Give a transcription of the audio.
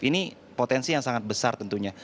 ini potensi yang sangat besar tentunya